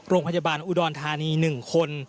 โรงพยาบาลอุดรธานี๑คน